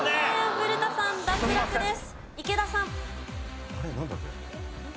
池田さんも脱落です。